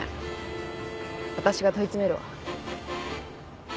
私が問い詰めるわ。